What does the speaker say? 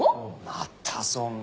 またそんな。